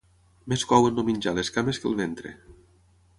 Més couen el menjar les cames que el ventre.